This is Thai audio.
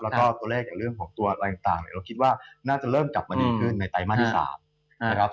แล้วก็ตัวเลขจากเรื่องของตัวอะไรต่างเราคิดว่าน่าจะเริ่มกลับมาดีขึ้นในไตรมาสที่๓นะครับ